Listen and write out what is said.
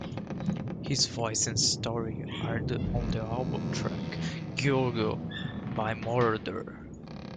His voice and story are on the album track "Giorgio by Moroder".